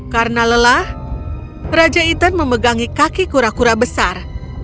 karena lelah raja ethan memegangi kaki kura kura besar